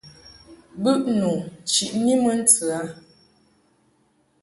Bɨʼnu chiʼni mɨ ntɨ a.